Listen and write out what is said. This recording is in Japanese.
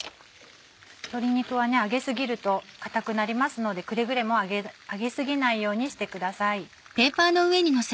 鶏肉は揚げ過ぎると硬くなりますのでくれぐれも揚げ過ぎないようにしてください。